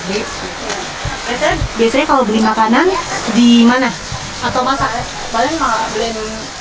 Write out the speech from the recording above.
biasanya kalau beli makanan di mana atau masalah